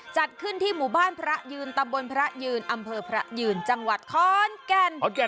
จัดขึ้นที่หมู่บ้านพระยืนตำบลพระยืนอำเภอพระยืนจังหวัดขอนแก่น